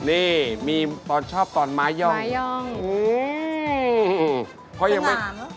นี่มีตอนชอบตอนมาย่อง